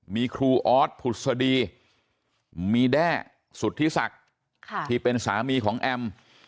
มีครูออสผุศดีมีแด้สุธิศักดิ์ที่เป็นสามีของแอม